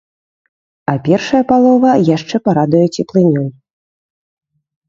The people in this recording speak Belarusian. А першая палова яшчэ парадуе цеплынёй.